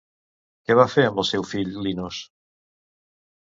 Què va fer amb el seu fill Linos?